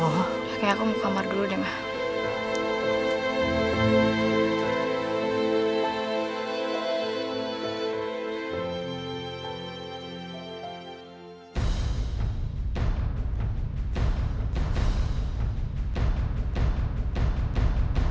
oke aku mau ke kamar dulu deh ma